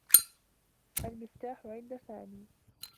المفتاح عند سامي.